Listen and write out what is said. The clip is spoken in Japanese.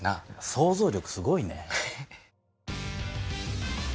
想像力すごいね。